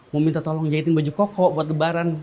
mau minta tolong jahitin baju koko buat lebaran